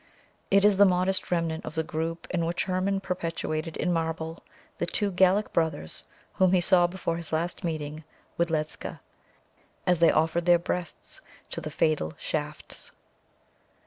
It is the modest remnant of the group in which Hermon perpetuated in marble the two Gallic brothers whom he saw before his last meeting with Ledscha, as they offered their breasts to the fatal shafts.